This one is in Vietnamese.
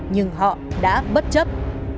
nhưng họ đã bất chấp